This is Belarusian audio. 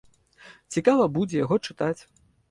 Цікава будзе яго чытаць.